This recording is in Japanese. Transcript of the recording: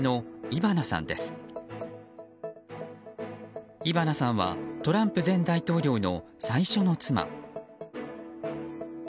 イバナさんはトランプ前大統領の最初の妻。